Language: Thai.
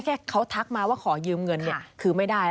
แค่เขาทักมาว่าขอยืมเงินคือไม่ได้